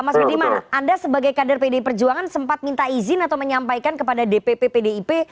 mas budiman anda sebagai kader pdi perjuangan sempat minta izin atau menyampaikan kepada dpp pdip